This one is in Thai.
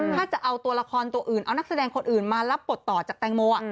ถ้าจะเอาตัวละครตัวอื่นเอานักแสดงคนอื่นมารับบทต่อจากแตงโม